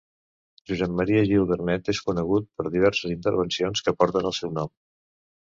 Josep Maria Gil-Vernet és conegut per diverses intervencions que porten el seu nom.